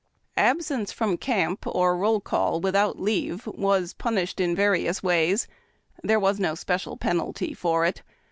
Absence from camp or roll call without leave was pun ' ished in various ways. There was no special penalty for it.